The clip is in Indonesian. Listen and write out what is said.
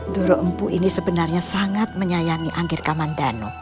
doro empu ini sebenarnya sangat menyayangi anggir kamandano